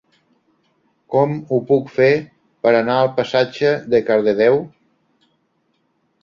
Com ho puc fer per anar al passatge de Cardedeu?